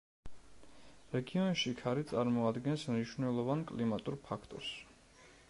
რეგიონში ქარი წარმოადგენს მნიშვნელოვან კლიმატურ ფაქტორს.